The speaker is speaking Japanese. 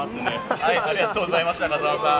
ありがとうございました風間さん。